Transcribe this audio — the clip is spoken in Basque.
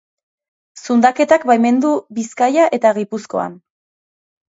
Zundaketak baimendu Bizkaia eta Gipuzkoan.